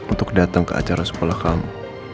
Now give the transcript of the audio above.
untuk datang ke acara sekolah kamu